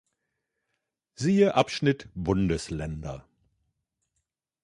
Siehe Abschnitt "Bundesländer".